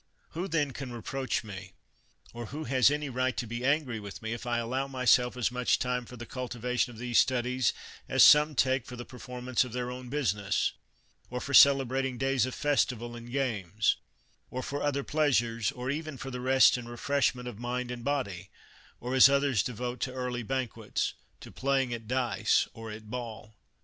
Who then can reproach me, or who has any 137 THE WORLD'S FAMOUS ORATIONS right to be angry with me, if I allow myself as much time for the cultivation of these studies as some take for the performance of their own business, or for celebrating days of festival and games, or for other pleasures, or even for the rest and refreshment of mind and body, or as others devote to early banquets, to playing at dice, or at ball?